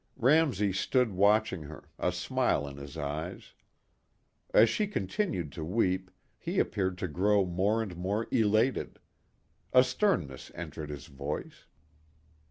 Ramsey stood watching her, a smile in his eyes. As she continued to weep he appeared to grow more and more elated. A sternness entered his voice.